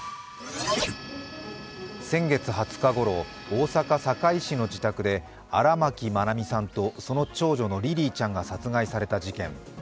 先月２０日頃、大阪堺市の自宅で荒牧愛美さんとその長女のリリィちゃんが殺害された事件。